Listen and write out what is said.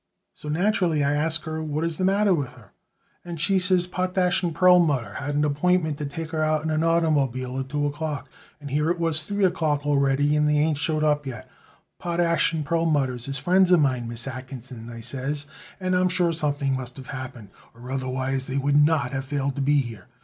"So, naturally, I asks her what it is the matter with her, and she says Potash & Perlmutter had an appointment to take her out in an oitermobile at two o'clock, and here it was three o'clock already and they ain't showed up yet. Potash & Perlmutter is friends of mine, Miss Atkinson, I says, and I'm sure something must have happened, or otherwise they would not of failed to be here.